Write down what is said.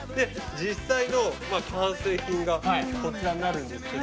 実際の完成品がこちらになるんですけど。